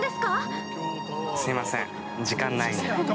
◆すいません、時間ないんで。